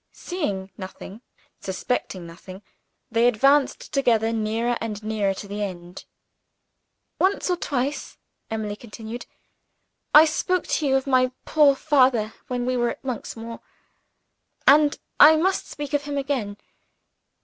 Seeing nothing, suspecting nothing, they advanced together nearer and nearer to the end. "Once or twice," Emily continued, "I spoke to you of my poor father, when we were at Monksmoor and I must speak of him again.